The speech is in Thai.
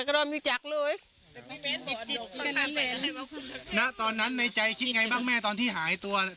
ในใจในใจเป็นยังไงบ้างในใจคิดเป็นยังไงบ้างในใจเรา